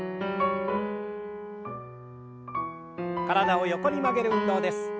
体を横に曲げる運動です。